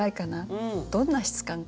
どんな質感かな？